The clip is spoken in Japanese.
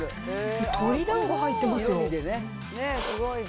鶏だんご入ってますよ。